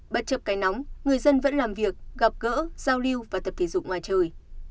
bất chấp cái nóng người dân vẫn làm việc gặp gỡ giao lưu và tập thể dục ngoài trời